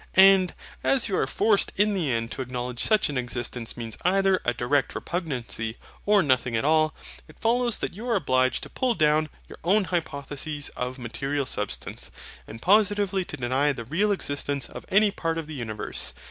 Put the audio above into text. And, as you are forced in the end to acknowledge such an existence means either a direct repugnancy, or nothing at all, it follows that you are obliged to pull down your own hypothesis of material Substance, and positively to deny the real existence of any part of the universe.